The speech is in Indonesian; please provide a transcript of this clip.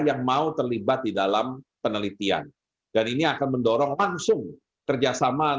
yang mau terlibat di dalam penelitian